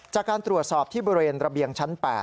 จากการตรวจสอบที่บริเวณระเบียงชั้น๘